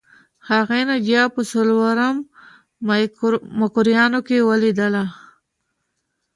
هغې ناجیه په څلورم مکروریانو کې ولیدله